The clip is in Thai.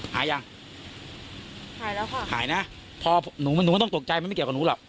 หายยังหายแล้วค่ะหายนะพอหนูก็ต้องตกใจมันไม่เกี่ยวกับหนูหรอก